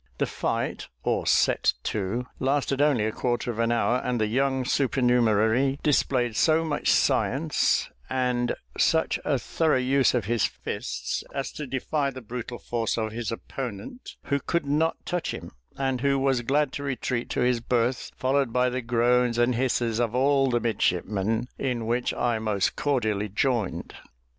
The fight, or set to, lasted only a quarter of an hour, and the young supernumerary displayed so much science, and such a thorough use of his fists, as to defy the brutal force of his opponent, who could not touch him, and who was glad to retreat to his berth, followed by the groans and hisses of all the midshipmen, in which I most cordially joined.